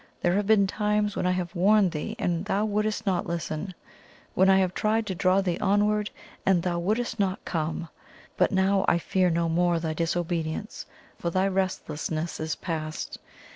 There have been times when I have warned thee and thou wouldst not listen, when I have tried to draw thee onward and thou wouldst not come; but now I fear no more thy disobedience, for thy restlessness is past.